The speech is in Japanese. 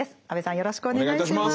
よろしくお願いします。